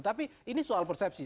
tapi ini soal persepsi